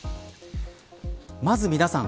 まず皆さん